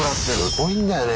すごいんだよね